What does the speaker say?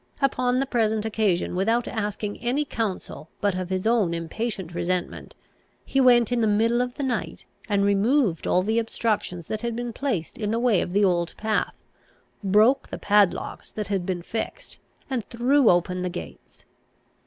Upon the present occasion, without asking any counsel but of his own impatient resentment, he went in the middle of the night, and removed all the obstructions that had been placed in the way of the old path, broke the padlocks that had been fixed, and threw open the gates.